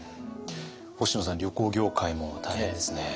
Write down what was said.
星野さん旅行業界も大変ですね。